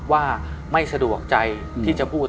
ว่าไม่สะดวกใจที่จะพูด